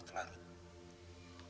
ya terserah pertembangan pak kiai saja